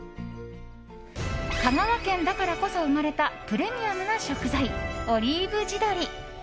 香川県だからこそ生まれたプレミアムな食材、オリーブ地鶏。